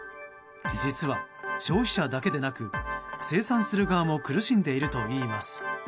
実は消費者だけでなく生産する側も苦しんでいるといいます。